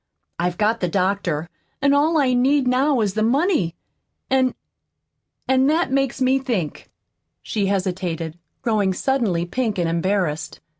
I've got the doctor, an' all I need now is the money. An' an' that makes me think." She hesitated, growing suddenly pink and embarrassed.